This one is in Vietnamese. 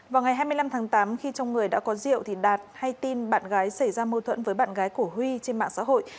vào ngày hai mươi năm tháng tám khi trong người đã có rượu đạt hay tin bạn gái xảy ra mâu thuẫn với bạn gái của huy trên mạng xã hội